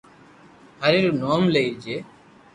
ھري رو نوم لئي جي